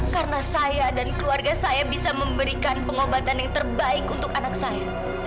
karena saya dan keluarga saya bisa memberikan pengobatan yang terbaik untuk anak saya